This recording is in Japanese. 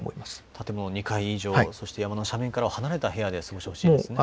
建物の２階以上、そして山の斜面から離れた部屋で過ごしてほしいですね。